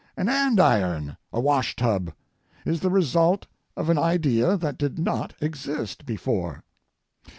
An andiron, a wash tub, is the result of an idea that did not exist before.